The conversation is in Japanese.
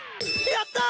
やった！